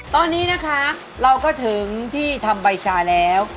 ตอนนี้นะคะเราก็ถึงที่ทำใบชาแล้ว